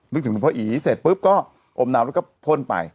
นึกถึงว่าเพราะอี๋เสร็จปุ๊บก็อมนาวแล้วก็พ่นไป